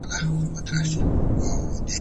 ټرایوډوتیرونین مغز کې سېروټونین زیاتوي.